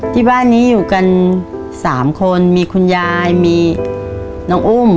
ที่บ้านนี้อยู่กัน๓คนมีคุณยายมีน้องอุ้ม